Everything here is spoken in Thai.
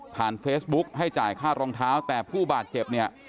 เฟซบุ๊คให้จ่ายค่ารองเท้าแต่ผู้บาดเจ็บเนี่ย